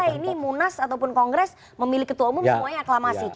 karena semua partai ini munas ataupun kongres memilih ketua umum semuanya aklamasi